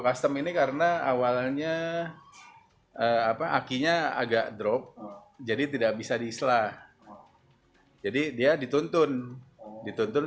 custom ini karena awalnya apa akinya agak drop jadi tidak bisa diislah jadi dia dituntun dituntun